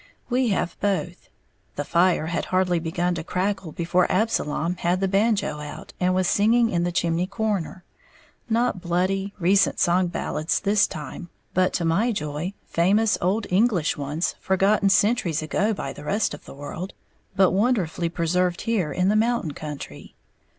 We have both. The fire had hardly begun to crackle before Absalom had the banjo out, and was singing in the chimney corner, not bloody, recent song ballads this time, but, to my joy, famous old English ones forgotten centuries ago by the rest of the world but wonderfully preserved here in the mountain country.